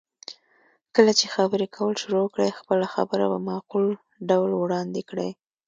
کله چې خبرې کول شروع کړئ، خپله خبره په معقول ډول وړاندې کړئ.